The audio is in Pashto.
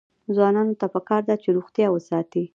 ځوانانو ته پکار ده چې، روغتیا وساتي.